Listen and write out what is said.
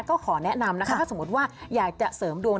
ก็ขอแนะนำนะคะถ้าสมมติว่าอยากจะเสริมดวง